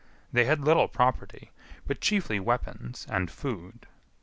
They had little property, but chiefly weapons and food.